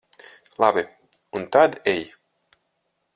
Labi, un tad ej.